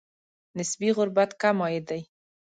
نسبي غربت کم عاید دی.